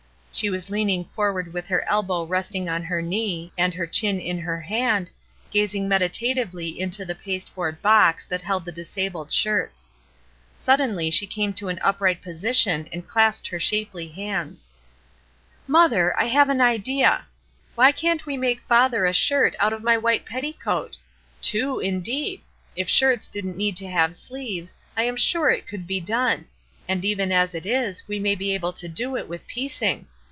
She was leaning forward with her elbow resting on her knee and her chin in her hand, gazing meditatively into the pasteboard box that held the disabled shirts. Suddenly she came to an upright posi tion and clasped her shapely hands. HOMEWARD BOUND 341 "Mother, I have an idea! Why can't we make father a shirt out of my white petticoat ? Two, indeed ; if shirts didn't need to have sleeves I am sure it could be done ; and even as it is, we may be able to do it, with piecing.